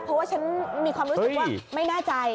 เพราะว่าชั้นมีความรู้สึกว่า